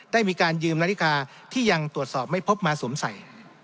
ได้มีการยืมนาฬิกาที่ยังตรวจสอบไม่พบมาสวมใส่